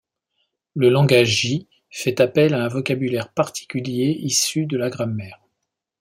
Le langage J fait appel à un vocabulaire particulier issu de la grammaire.